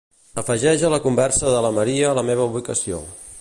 Afegeix a la conversa de la Maria la meva ubicació.